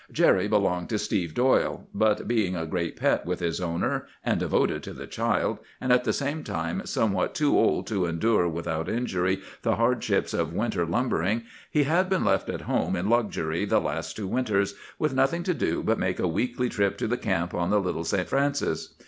Jerry belonged to Steve Doyle; but being a great pet with his owner, and devoted to the child, and at the same time somewhat too old to endure without injury the hardships of winter lumbering, he had been left at home in luxury the last two winters, with nothing to do but make a weekly trip to the camp on the Little St. Francis.